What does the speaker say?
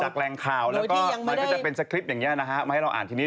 แรงข่าวแล้วก็มันก็จะเป็นสคริปต์อย่างนี้นะฮะมาให้เราอ่านทีนี้